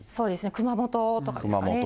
熊本とかですかね。